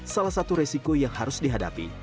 salah satu resiko yang harus dihadapi